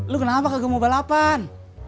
lu kenapa kamu mau balapan